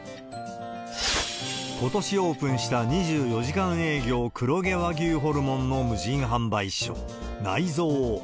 ことしオープンした２４時間営業黒毛和牛ホルモンの無人販売所、ナイゾー。